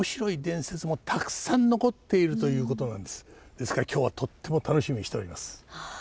ですから今日はとっても楽しみにしております。